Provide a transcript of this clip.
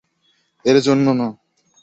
এর জন্য না।